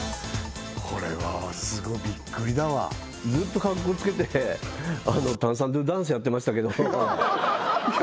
これはすごいびっくりだわずっとかっこつけて炭酸ＤＯＤＡＮＣＥやってましたけどいや